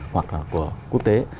hoặc là của quốc tế